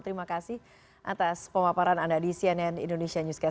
terima kasih atas pemaparan anda di cnn indonesia newscast